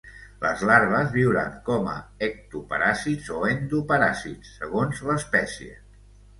Les larves viuran com a ectoparàsits o endoparàsits, segons l'espècie.